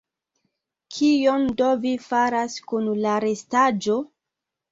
Kion do vi faras kun la restaĵo?